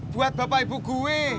buat bapak ibu gue